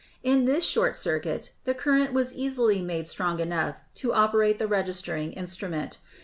In this short circuit the current was easily made strong enough to operate the registering instrument.